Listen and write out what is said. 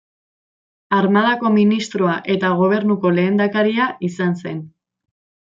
Armadako ministroa eta Gobernuko lehendakaria izan zen.